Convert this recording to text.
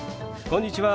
こんにちは！